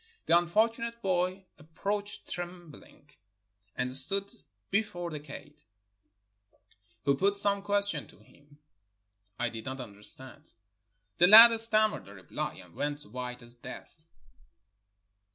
The unfortunate boy approached trembling, and stood before the kaid, who put some question to him I did not understand. The lad stammered a reply, and went white as death.